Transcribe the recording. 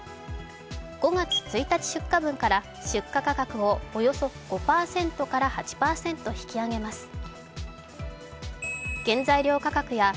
５月１日出荷分から出荷価格をおよそ５％から８％引き揚げます。